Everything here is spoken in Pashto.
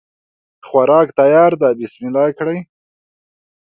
خوراک تیار ده بسم الله کړی